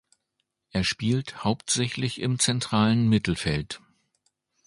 Er spielt hauptsächlich im zentralen Mittelfeld.